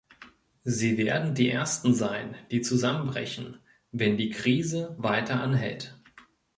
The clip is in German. Sie werden die ersten sein, die zusammenbrechen, wenn die Krise weiter anhält.